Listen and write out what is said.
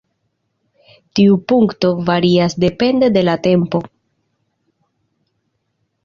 Tiu punkto varias depende de la tempo.